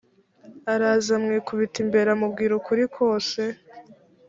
araza amwikubita imbere amubwiza ukuri kose